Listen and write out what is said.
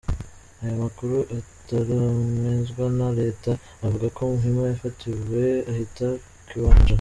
Aya makuru ataremezwa na Leta avuga ko Muhima yafatiwe ahitwa Kiwanja.